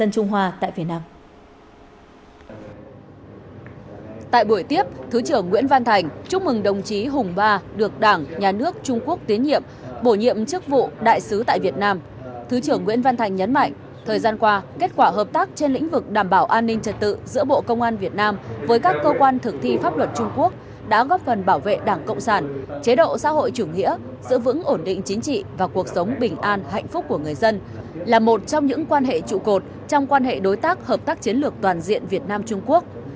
thứ trưởng nguyễn văn thành nhấn mạnh thời gian qua kết quả hợp tác trên lĩnh vực đảm bảo an ninh trật tự giữa bộ công an việt nam với các cơ quan thực thi pháp luật trung quốc đã góp phần bảo vệ đảng cộng sản chế độ xã hội chủ nghĩa giữ vững ổn định chính trị và cuộc sống bình an hạnh phúc của người dân là một trong những quan hệ trụ cột trong quan hệ đối tác hợp tác chiến lược toàn diện việt nam trung quốc